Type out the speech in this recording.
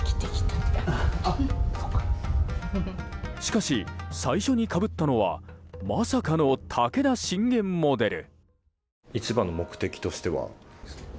しかし最初にかぶったのはまさかの武田信玄モデル。